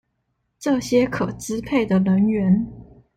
這些可支配的人員